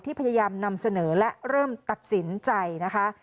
พยายามนำเสนอและเริ่มตัดสินใจนะคะ